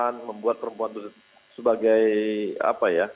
yang membuat perempuan sebagai apa ya